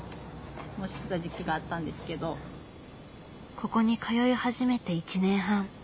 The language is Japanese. ここに通い始めて１年半。